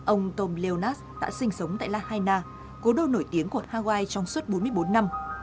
ông tom leonas đã sinh sống tại lahaina cố đô nổi tiếng của hawaii trong suốt bốn mươi bốn năm